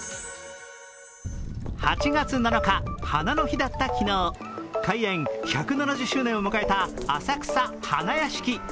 ８月７日、ハナの日だった昨日開園１７０周年を迎えた浅草花やしき。